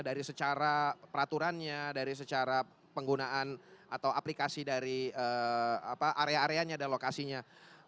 dari secara peraturannya dari secara penggunaan atau aplikasi dari area areanya dan lokasinya